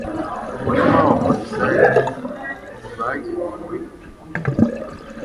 Ku murima wAbafarisiyani bagenewe kurimbuka